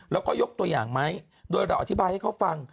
แล้วก็ยกตัวอย่างไหมโดยเราอธิบายให้เขาฟัง